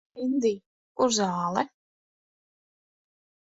Endij, kur zāle?